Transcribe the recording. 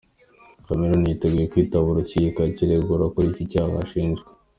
Chameleone yiteguye kwitaba urukiko akiregura kuri iki cyaha ashinjwa.